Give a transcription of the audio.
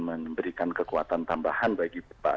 memberikan kekuatan tambahan bagi bapak